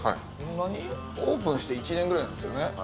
オープンして１年ぐらいなんですよね。